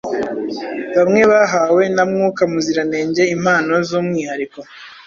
Bamwe bahawe na Mwuka Muziranenge impano z’umwihariko